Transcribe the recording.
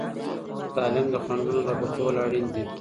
د تعلیم د خنډونو رفع کول اړین دي.